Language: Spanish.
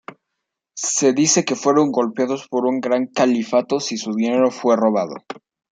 Se dice que fueron golpeados por un gran califato si su dinero fue robado.